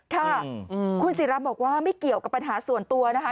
ค่ะคุณศิราบอกว่าไม่เกี่ยวกับปัญหาส่วนตัวนะคะ